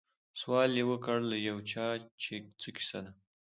سوال یې وکړ له یو چا چي څه کیسه ده